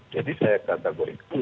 jadi saya kategorikan